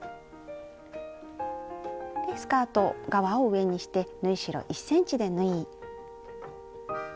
スカート側を上にして縫い代１ｃｍで縫い。